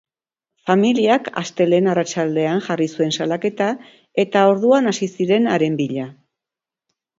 Familiak astelehen arratsaldean jarri zuen salaketa, eta orduan hasi ziren haren bila.